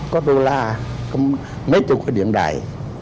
có đô la mấy chục cái điện đài